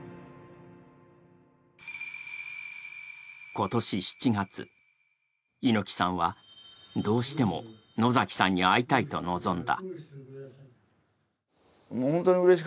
今年７月、猪木さんはどうしても野崎さんに会いたいと望んだ。